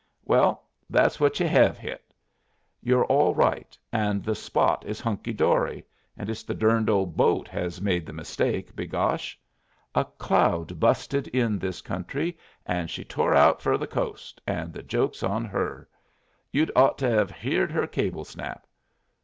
Well, that's what you hev hit. You're all right, and the spot is hunky dory, and it's the durned old boat hez made the mistake, begosh! A cloud busted in this country, and she tore out fer the coast, and the joke's on her! You'd ought to hev heerd her cable snap!